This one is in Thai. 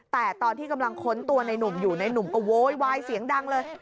แต่ตอนที่กำลังค้นตัวในหนุ่มอยู่ในหนุ่มก็โวยวายเสียงดังเลย